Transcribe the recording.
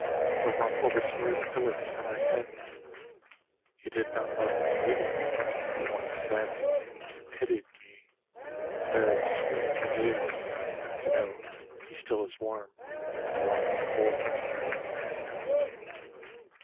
Or ruffle the smooth pillows for my head; He did not love me living; but once dead He pitied me; and very sweet it is To know he still is warm though I am cold.